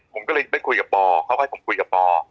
ผมก็เลยได้คุยกับปอเขาก็ให้ผมคุยกับปอ